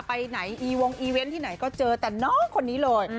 ไปไหนอีวงอีเวนต์ที่ไหนก็เจอแต่น้องคนนี้เลย